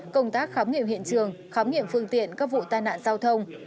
công tác khám nghiệm hiện trường khám nghiệm phương tiện các vụ tai nạn giao thông